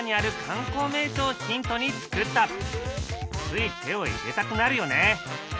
つい手を入れたくなるよね。